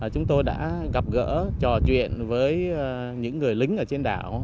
chúng tôi đã gặp gỡ trò chuyện với những người lính ở trên đảo